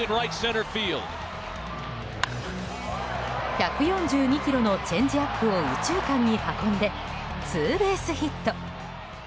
１４２キロのチェンジアップを右中間に運んでツーベースヒット。